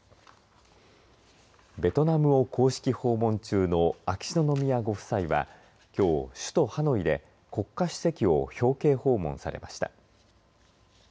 ベトナムを公式訪問中の秋篠宮ご夫妻はきょう首都ハノイで国家主席を表敬訪問されました。